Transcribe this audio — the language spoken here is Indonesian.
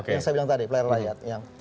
yang saya bilang tadi player rakyat